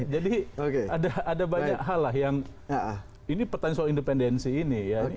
jadi ada banyak hal lah yang ini pertanyaan soal independensi ini ya